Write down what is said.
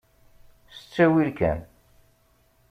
S ttawil kan.